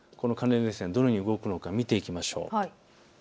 どのように動くのか見ていきましょう。